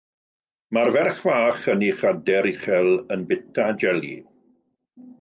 Mae'r ferch fach yn ei chadair uchel yn bwyta jeli.